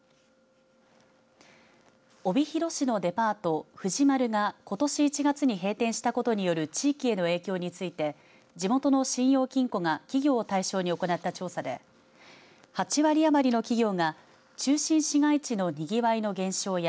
帯広市のデパート、藤丸がことし１月に閉店したことによる地域への影響について地元の信用金庫が企業を対象に行った調査で８割余りの企業が中心市街地のにぎわいの減少や